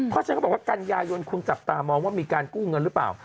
ก็จะเป็นการป่อยการยายนคุณจับตามองว่ามีการกู้เงินรึเปล่า